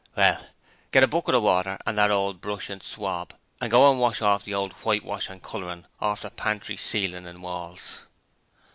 'Well, get a bucket of water and that old brush and a swab, and go and wash off the old whitewash and colouring orf the pantry ceiling and walls.'